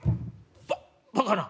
ババカな！